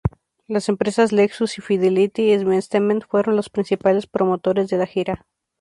Las empresas Lexus y Fidelity Investments fueron los principales promotores de la gira.